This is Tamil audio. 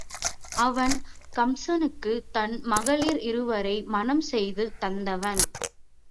அவன் கம்சனுக்குத் தன் மகளிர் இருவரை மணம் செய்து தந்தவன்.